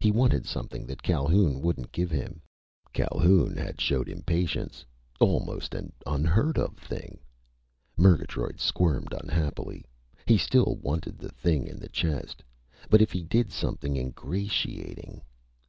He wanted something that Calhoun wouldn't give him. Calhoun had shown impatience almost an unheard of thing! Murgatroyd squirmed unhappily. He still wanted the thing in the chest. But if he did something ingratiating....